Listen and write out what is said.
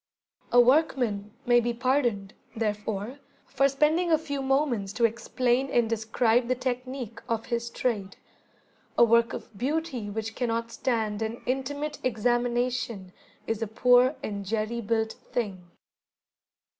A workman may be pardoned, therefore, for spending a few moments to explain and describe the technique of his trade. A work of beauty which cannot stand an intimate examination is a poor and jerry built thing.